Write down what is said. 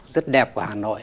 rất đẹp của hà nội